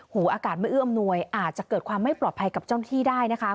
อากาศไม่เอื้ออำนวยอาจจะเกิดความไม่ปลอดภัยกับเจ้าหน้าที่ได้นะคะ